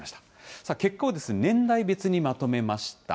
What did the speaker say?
さあ、結果を年代別にまとめました。